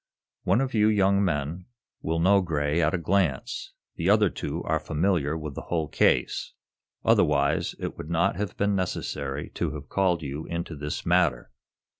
"One of you young men will know Gray at a glance. The other two are familiar with the whole case. Otherwise, it would not have been necessary to have called you into this matter.